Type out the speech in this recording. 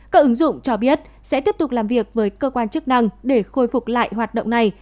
các ứng dụng cho biết sẽ tiếp tục làm việc với cơ quan chức năng để khôi phục lại hoạt động này